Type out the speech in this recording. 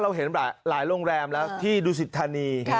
เห็นหลายโรงแรมแล้วที่ดูสิทธานี